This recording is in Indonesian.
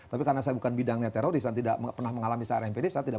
tapi karena saya bukan bidangnya teroris dan tidak pernah mengalami searah mpd saya tidak